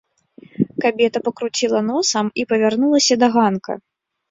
Кабета пакруціла носам і павярнулася да ганка.